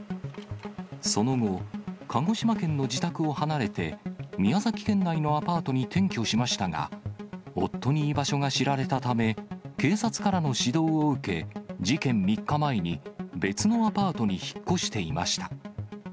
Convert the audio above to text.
その後、鹿児島県の自宅を離れて、宮崎県内のアパートに転居しましたが、夫に居場所が知られたため、警察からの指導を受け、事件３日前に別のアパートに引っ越していました。